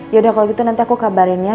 yaudah kalau gitu nanti aku kabarin ya